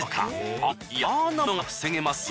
ある嫌なものが防げますよ！